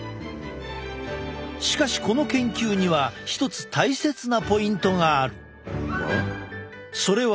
しかしこの研究には一つ大切なポイントがある。